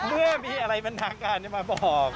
เมื่อมีอะไรเป็นทางการมาบอก